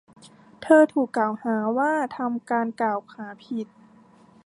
เธอถูกกล่าวหาว่าทำการกล่าวหาผิด